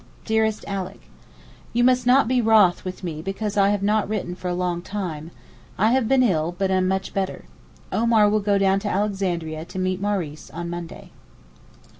DEAREST ALICK, You must not be wroth with me because I have not written for a long time—I have been ill, but am much better. Omar will go down to Alexandria to meet Maurice on Monday.